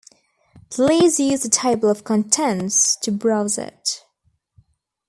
Please use the Table of Contents to browse it.